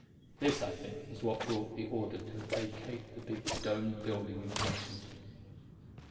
This, I think, was what brought the order to vacate the big domed building in Washington.